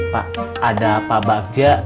pak ada pak bagja